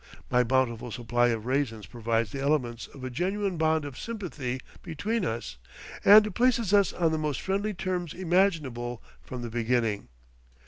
My bountiful supply of raisins provides the elements of a genuine bond of sympathy between us, and places us on the most friendly terms imaginable from the beginning.